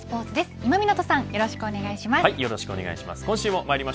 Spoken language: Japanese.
今湊さんよろしくお願いします。